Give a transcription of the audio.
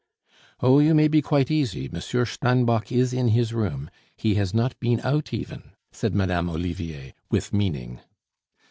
"Oh, you may be quite easy, Monsieur Steinbock is in his room. He has not been out even," said Madame Olivier, with meaning.